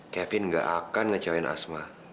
kevin gak akan ngecoin asma